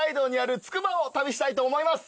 旅したいと思います。